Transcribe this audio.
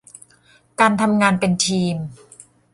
การทำงานเป็นทีม